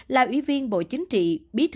là ủy viên bộ chính trị